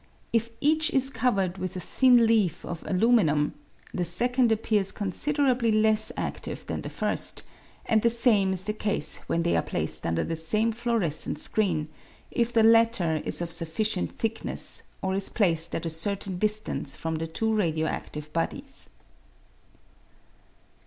If each is covered with a thin leaf of aluminium, the second appears considerably less adtive than the first, and the same is the case when they are placed under the sam.e fluorescent screen, if the latter is of sufficient thickness, or is placed at a certain distance from the two radio adtive bodies.